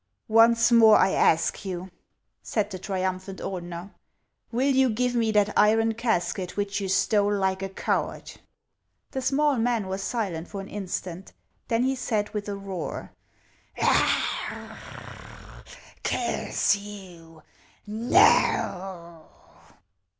" Once more I ask you," said the triumphant Ordener, " will you give me that iron casket which you stole like a coward ?" The small mail was silent for an instant; then he said, with a roar :" Curse you, no !